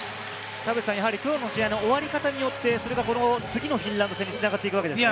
きょうの試合の終わり方によって、次のフィンランド戦に繋がっていくわけですね。